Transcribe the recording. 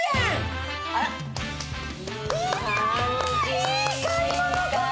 いい買い物かも！